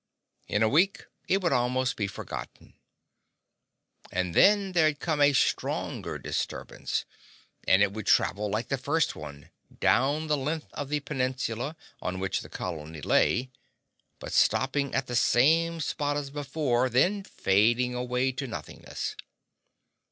In a week it would almost be forgotten. But then there'd come a stronger disturbance. And it would travel like the first one; down the length of the peninsula on which the colony lay, but stopping at the same spot as before, and then fading away to nothingness.